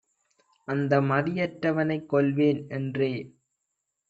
அந்தமதி யற்றவனைக் கொல்வேன்என்றே